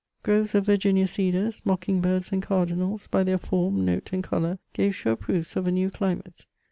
Groves of Virginia cedars, mocking birds, and cardinals, by their form, note, and colour, gave sure proofs of a new climate.